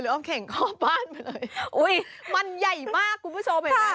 หรืออ้อมแข่งครอบบ้านไปเลยมันใหญ่มากคุณผู้ชมเห็นมั้ย